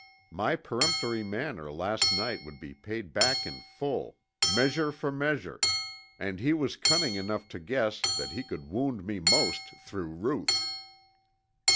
My peremptory manner last night would be paid back in full, measure for measure, and he was cunning enough to guess that he could wound me most through Ruth.